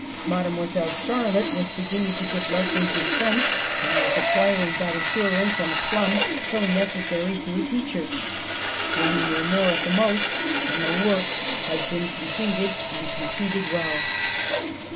Mademoi selle Charlotte was beginning to give lessons in French, and was acquiring that assurance and aplomb so necessary to a teacher. One year more, at the most, and the work had been com pleted, and completed well."